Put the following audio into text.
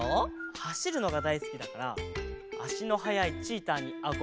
はしるのがだいすきだからあしのはやいチーターにあこがれるんだよね。